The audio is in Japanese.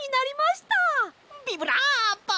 ビブラーボ！